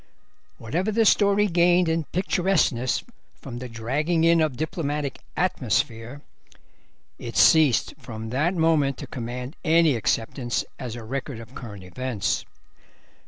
Whatever the story gained in picturesqueness from the dragging in of diplomatic "atmosphere," it ceased from that moment to command any acceptance as a record of current events.